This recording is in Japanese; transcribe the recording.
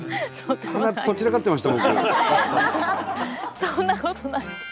そんなことないです。